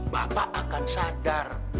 bapak akan sadar